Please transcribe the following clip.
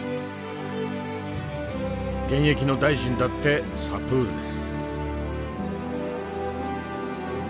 現役の大臣だってサプールです。